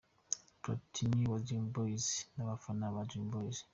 Platini wa Dream Boys n’abafana ba Dream Boys.